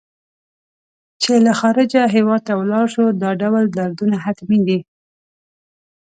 چې له خارجه هېواد ته ولاړ شو دا ډول دردونه حتمي دي.